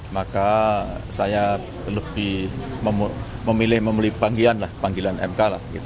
maka saya lebih memilih memilih panggilan mk lah